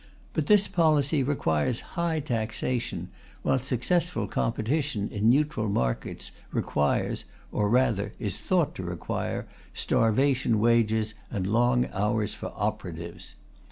But this policy requires high taxation, while successful competition in neutral markets requires or rather, is thought to require starvation wages and long hours for operatives.